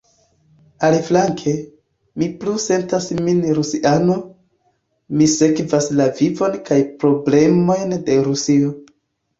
Aliflanke, mi plu sentas min rusiano: mi sekvas la vivon kaj problemojn de Rusio.